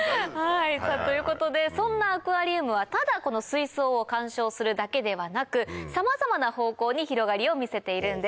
さぁということでそんなアクアリウムはただこの水槽を観賞するだけではなくさまざまな方向に広がりを見せているんです。